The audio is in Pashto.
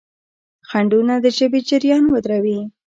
خنډونه د ژبې جریان ودروي.